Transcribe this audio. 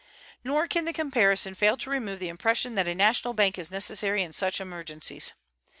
Nor can the comparison fail to remove the impression that a national bank is necessary in such emergencies.